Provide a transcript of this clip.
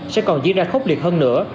sẽ còn diễn ra khốc liệt hơn nữa